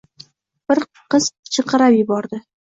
Bir qiz chinqirab yubordi.